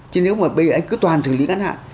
chứ nếu mà bây anh cứ toàn xử lý ngắn hạn